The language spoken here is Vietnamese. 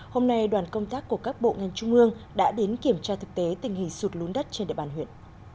hôm nay đoàn công tác của các bộ ngành trung ương đã đến kiểm tra thực tế tình hình sụt lún đất trên địa bàn huyện